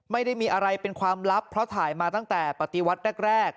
ไม่ได้มีอะไรเป็นความลับเพราะถ่ายมาตั้งแต่ปฏิวัติแรก